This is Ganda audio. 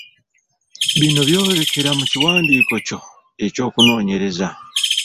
Bino by’oyolekera mu kiwandiiko kyo eky’okunoonyereza.